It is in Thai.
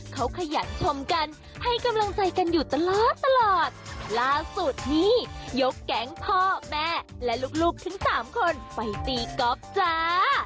เขาขยันชมกันให้กำลังใจกันอยู่ตลอดตลอดล่าสุดนี้ยกแก๊งพ่อแม่และลูกลูกทั้งสามคนไปตีก๊อฟจ้า